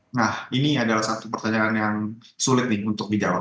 nah ini adalah satu pertanyaan yang sulit nih untuk dijawab